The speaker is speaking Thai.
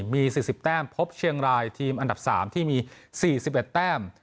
มีสี่สิบแต้มเพิบเชียงรายทีมอันดับสามที่มีสี่สิบเอ็ดแต้ม